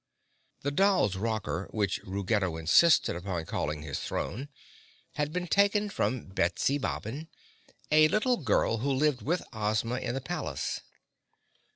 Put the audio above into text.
The doll's rocker, which Ruggedo insisted upon calling his throne, had been taken from Betsy Bobbin, a little girl who lived with Ozma in the palace.